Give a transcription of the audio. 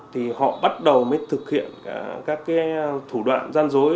thì họ bắt đầu mới thực hiện các cái thủ đoạn gian dối